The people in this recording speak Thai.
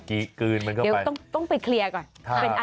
ต้องไปเคลียร์ก่อน